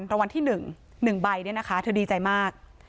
รางวัลที่๑๑ใบเดี๋ยวเธอดีใจมาก